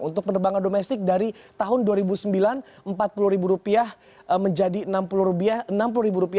untuk penerbangan domestik dari tahun dua ribu sembilan rp empat puluh menjadi rp enam puluh